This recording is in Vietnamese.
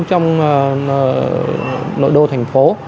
trong nội đô thành phố